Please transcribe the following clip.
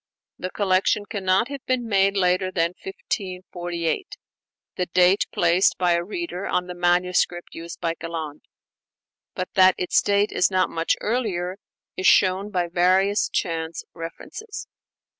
The collection cannot have been made later than 1548, the date placed by a reader on the manuscript used by Galland. But that its date is not much earlier is shown by various chance references.